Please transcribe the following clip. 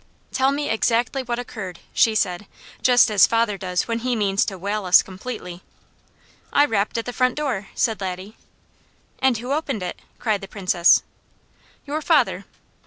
"Tell me exactly what occurred," she said, just as father does when he means to whale us completely. "I rapped at the front door," said Laddie. "And who opened it?" cried the Princess. "Your father!"